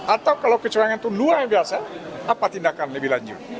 atau kalau kecurangan itu luar biasa apa tindakan lebih lanjut